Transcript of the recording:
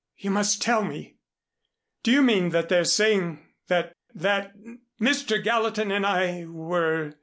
"You must tell me. Do you mean that they're saying that that Mr. Gallatin and I were